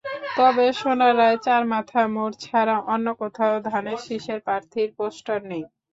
তবে সোনারায় চারমাথা মোড় ছাড়া অন্য কোথাও ধানের শীষের প্রার্থীর পোস্টার নেই।